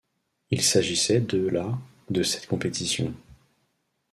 Il s'agissait de la de cette compétition.